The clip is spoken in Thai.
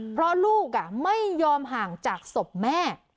เพราะลูกไม่ยอมห่างจากศพแม่